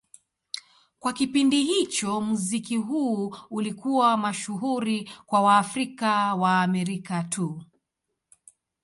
Kwa kipindi hicho, muziki huu ulikuwa mashuhuri kwa Waafrika-Waamerika tu.